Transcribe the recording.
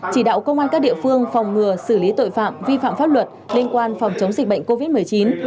chỉ đạo công an các địa phương phòng ngừa xử lý tội phạm vi phạm pháp luật liên quan phòng chống dịch bệnh covid một mươi chín